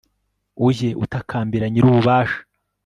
ujye utakambira nyir'ububasha